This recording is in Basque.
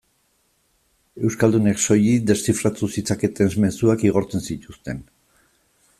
Euskaldunek soilik deszifratu zitzaketen mezuak igortzen zituzten.